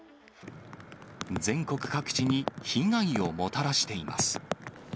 全国各地に被害をもたらしています。